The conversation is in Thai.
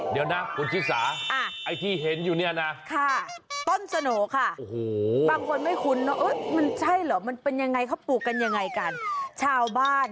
เดี๋ยวนะ